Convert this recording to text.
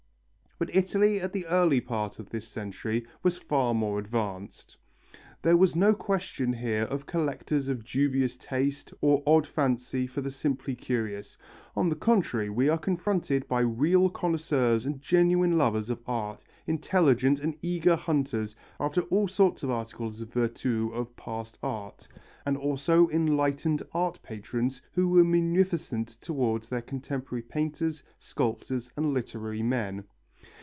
But Italy at the early part of this century was far more advanced. There was no question here of collectors of dubious taste or odd fancy for the simply curious; on the contrary we are confronted by real connoisseurs and genuine lovers of art, intelligent and eager hunters after all sorts of articles of virtu of past art; and also enlightened art patrons who were munificent toward their contemporary painters, sculptors and literary men.